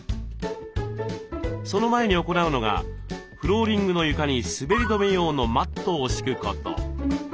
その前に行うのがフローリングの床に滑り止め用のマットを敷くこと。